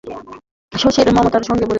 শশী মমতার সঙ্গে বলিল, অত দূর বসলি যে!